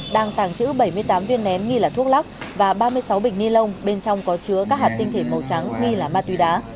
đang tàng trữ bảy mươi tám viên nén nghi là thuốc lắc và ba mươi sáu bịch ni lông bên trong có chứa các hạt tinh thể màu trắng nghi là ma túy đá